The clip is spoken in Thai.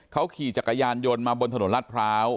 เขาขี่จักรยานยนต์มาบนถนนรัฐพร้าว